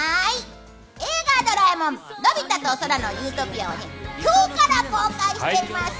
「映画ドラえもんのび太と空の理想郷」は今日から公開しています。